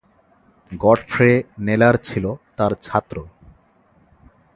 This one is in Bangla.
গডফ্রে নেলার ছিল তার ছাত্র।